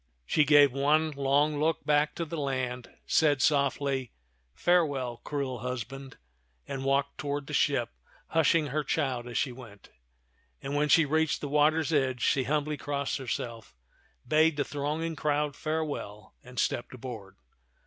She gave one long look back ^o 't^t (man of ^CiW& tak to the land, said softly, " Farewell, cruel husband !" and walked toward the ship, hushing her child as she went. And when she reached the water's edge, she humbly crossed herself, bade the thronging crowd farewell, and stepped aboard.